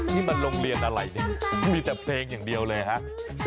นี่มันโรงเรียนอะไรเนี่ยมีแต่เพลงอย่างเดียวเลยฮะ